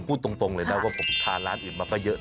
พูดตรงเลยนะว่าผมทานร้านอื่นมาก็เยอะ